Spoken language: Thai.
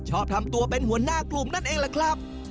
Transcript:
ชอบทำตัวเป็นหัวหน้ากลุ่มนั่นเองแหละครับ